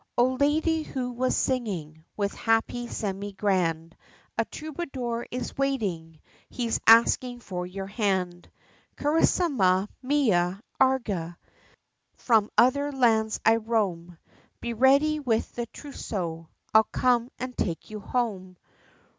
"O lady who was singing With happy semi grand, A troubadour is waiting, He's asking for your hand, Carrissima! Mia! Agrah! From other lands I roam, Be ready with the trousseau, I'll come, and take you home!